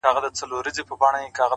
ستا د ښايستې خولې ښايستې خبري ـ